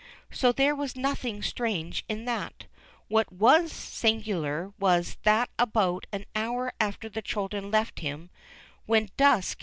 So there was nothing strange in that. What loas singular was that about an hour after the children had left him, when dusk SNOWY PETER.